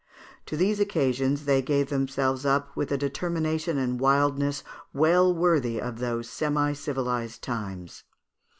To these occupations they gave themselves up, with a determination and wildness well worthy of those semi civilised times.